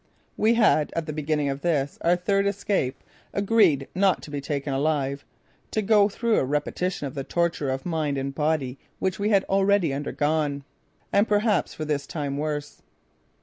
We had, at the beginning of this, our third escape, agreed not to be taken alive to go through a repetition of the torture of mind and body which we had already undergone, and, perhaps for this time, worse.